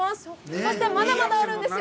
そして、まだまだあるんですよ。